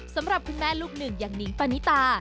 สำหรับคุณแม่ลูกหนึ่งอย่างนิงปานิตา